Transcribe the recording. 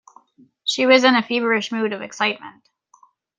She was in a feverish mood of excitement.